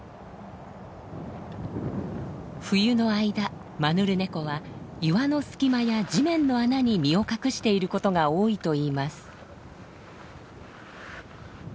冬の間マヌルネコは岩の隙間や地面の穴に身を隠していることが多いといいます。